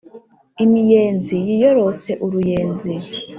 imiyenzi yiyorose uruyenzi